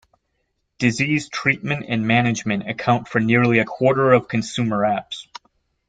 Disease treatment and management account for nearly a quarter of consumer apps.